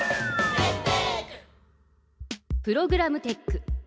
プログラムテック。